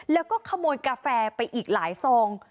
แล้วก็ขโมยกาแฟไปอีกหลายซอง